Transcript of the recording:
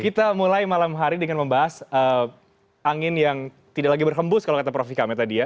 kita mulai malam hari dengan membahas angin yang tidak lagi berhembus kalau kata prof vikamnya tadi ya